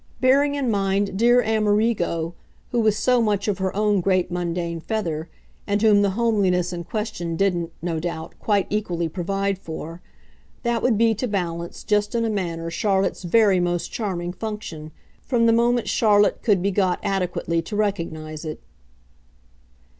Bearing in mind dear Amerigo, who was so much of her own great mundane feather, and whom the homeliness in question didn't, no doubt, quite equally provide for that would be, to balance, just in a manner Charlotte's very most charming function, from the moment Charlotte could be got adequately to recognise it.